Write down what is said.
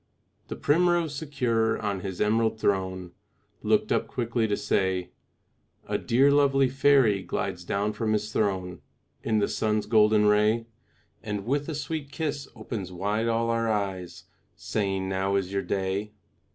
The primrose, secure on his emerald throne, Looked up quickly to say, "A dear lovely fairy glides down from his throne In the sun's golden ray, And with a sweet kiss opens wide all our eyes, Saying, 'Now is your day.'